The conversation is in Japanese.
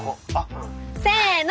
せの！